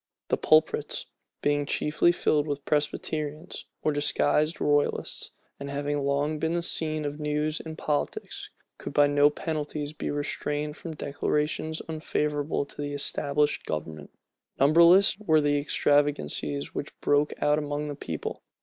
The pulpits, being chiefly filled with Presbyterians or disguised royalists, and having long been the scene of news and politics, could by no penalties be restrained from declarations unfavorable to the established government. Numberless were the extravagancies which broke out among the people.